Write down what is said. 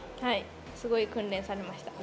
すごく訓練されました。